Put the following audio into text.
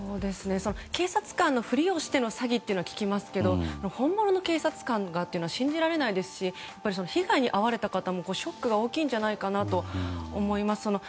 警察官のふりをしての詐欺は聞きますけど本物の警察官がって信じられないですし被害に遭った方もショックが大きいんじゃないかと思います。